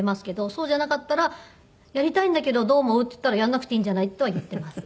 そうじゃなかったら「やりたいんだけどどう思う？」って言ったら「やらなくていいんじゃない」とは言っています。